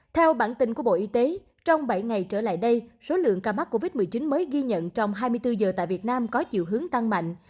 theo bản tin của bộ y tế trong bảy ngày trở lại đây số lượng ca mắc covid một mươi chín mới ghi nhận trong hai mươi bốn giờ tại việt nam có chiều hướng tăng mạnh